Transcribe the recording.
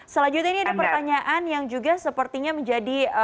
selanjutnya ini ada pertanyaan yang juga sepertinya menjadi